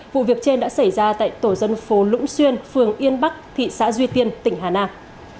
vụ việc trên đã xảy ra tại tổ dân phố lũng xuyên phường yên bắc thị xã duy tiên tỉnh hà nam